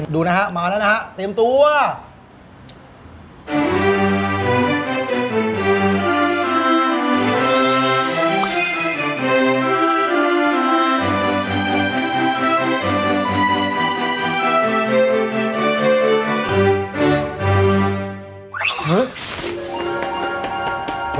ดูนะฮะมาแล้วนะฮะ